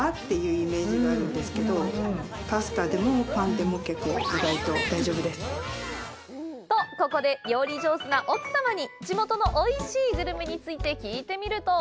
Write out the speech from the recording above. でも、そこにと、ここで、料理上手な奥様に地元のおいしいグルメについて聞いてみると。